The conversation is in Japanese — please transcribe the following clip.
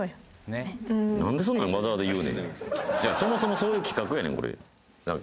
そもそもそういう企画やねんこれ。